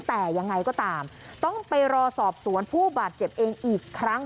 แต่ยังไงก็ตามต้องไปรอสอบสวนผู้บาดเจ็บเองอีกครั้ง